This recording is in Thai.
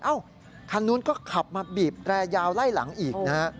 คันนู้นก็ขับมาบีบแตรยาวไล่หลังอีกนะฮะ